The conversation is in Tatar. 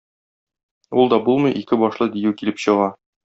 Ул да булмый, ике башлы дию килеп чыга.